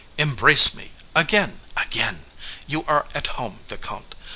Embrace me—again, again! You are at home, vicomte!